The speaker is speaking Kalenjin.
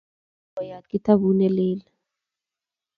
kakimwochi koyat kitabut ne lel.